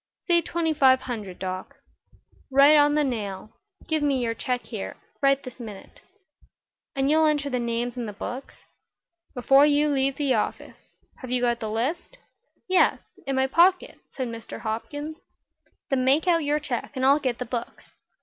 "Say twenty five hundred, Doc." "Right on the nail. Give me your check here this minute." "And you'll enter the names in the books?" "Before you leave the office. Have you got the list?" "Yes; in my pocket," said Mr. Hopkins. "Then make out your check and I'll get the books."